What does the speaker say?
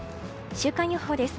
週間予報です。